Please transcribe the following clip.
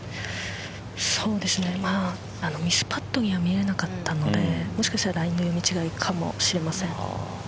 ミスパットには見えなかったのでもしかしたらラインの読み違えかもしれません。